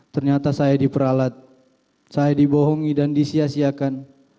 ternyata saya diperalat saya dibohongi dan disiasiakan